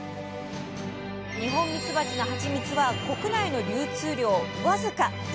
二ホンミツバチのハチミツは国内の流通量僅か１％ほど。